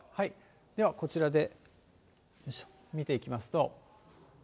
ではこちらで見ていきますと。